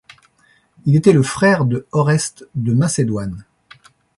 Il était le frère de Orestes de Macédoine.